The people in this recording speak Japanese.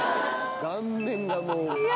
顔面がもう。